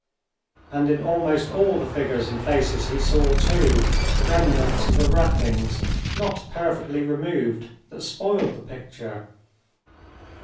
And in almost all the figures and faces he saw, too, remnants of the wrappings not perfectly removed that spoiled the picture.